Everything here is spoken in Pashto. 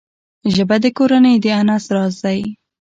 ژبه د کورنۍ د انس راز دی